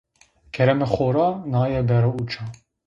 Keremê xo ra nae bere uca.